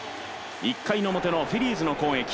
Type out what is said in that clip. １回表のフィリーズの攻撃。